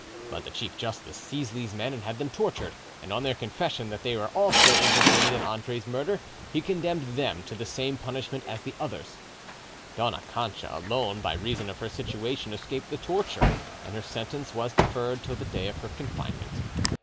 But the chief justice seized these men and had them tortured; and on their confession that they also were implicated in Andre's murder, he condemned them to the same punishment as the others. Dona Cancha alone, by reason of her situation, escaped the torture, and her sentence was deferred till the day of her confinement.